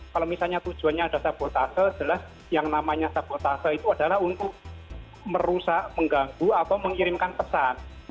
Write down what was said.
kalau misalnya tujuannya ada sabotase jelas yang namanya sabotase itu adalah untuk merusak mengganggu atau mengirimkan pesan